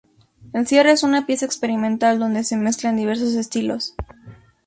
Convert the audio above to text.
El cierre es una pieza experimental donde se mezclan diversos estilos.